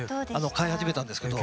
飼い始めたんですけど。